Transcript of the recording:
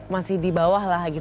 masih di bawah lah gitu